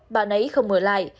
bạn ấy không ở lại